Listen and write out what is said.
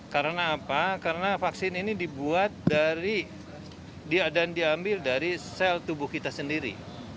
karena apa karena vaksin ini dibuat dari dan diambil dari sel tubuh kita sendiri